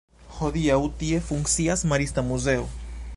Hodiaŭ tie funkcias marista muzeo.